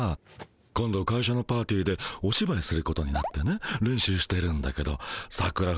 今度会社のパーティーでおしばいすることになってね練習してるんだけどさくら